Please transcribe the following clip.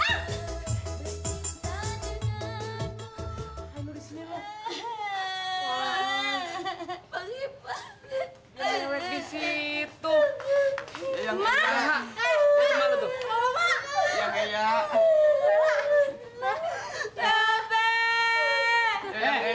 berkinta denganmu sungguh makan dana